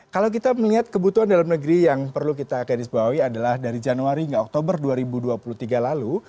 kalau kita melihat kebutuhan dalam negeri yang perlu kita garis bawahi adalah dari januari hingga oktober dua ribu dua puluh tiga lalu